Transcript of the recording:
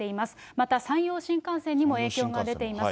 また、山陽新幹線にも影響が出ています。